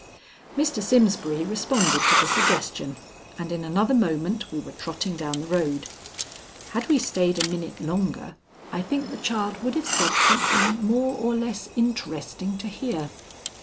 Mr. Simsbury responded to the suggestion, and in another moment we were trotting down the road. Had we stayed a minute longer, I think the child would have said something more or less interesting to hear.